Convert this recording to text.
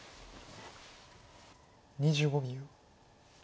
２５秒。